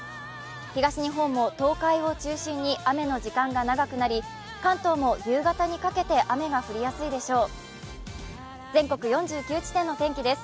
東日本も東海を中心に雨の時間が長くなり、関東も夕方にかけて雨が降りやすいでしょう。